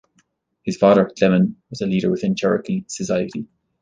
His father, Clement, was a leader within Cherokee society.